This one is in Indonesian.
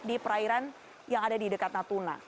di perairan yang ada di dekat natuna